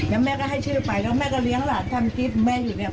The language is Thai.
แล้วแม่ก็ให้ชื่อไปแล้วแม่ก็เลี้ยงหลานทำกิฟต์แม่อยู่แล้ว